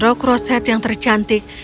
menggunakan rok roset yang tercantik